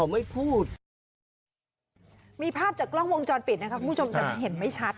ไม่พูดมีภาพจากกล้องวงจรปิดนะครับคุณผู้ชมแต่มันเห็นไม่ชัด